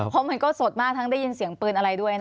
เพราะมันก็สดมากทั้งได้ยินเสียงปืนอะไรด้วยนะคะ